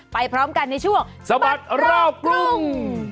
พร้อมกันในช่วงสะบัดรอบกรุง